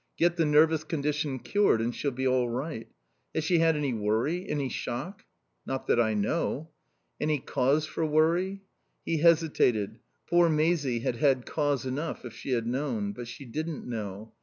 Get the nervous condition cured and she'll be all right. Has she had any worry? Any shock?" "Not that I know." "Any cause for worry?" He hesitated. Poor Maisie had had cause enough if she had known. But she didn't know.